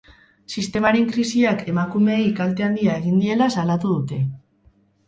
Sistemaren krisiak emakumeei kalte handia egin diela salatu dute.